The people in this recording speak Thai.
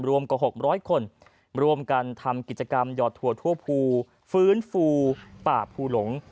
รวมกว่า๖๐๐คนรวมกันทำกิจกรรมหยอดถั่วทั่วภูฟื้นฟูป่าภูหลง